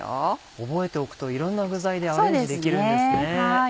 覚えておくといろんな具材でアレンジできるんですね。